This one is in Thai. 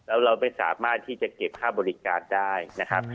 แล้วเราไม่สามารถที่จะเก็บค่าบริการได้นะครับ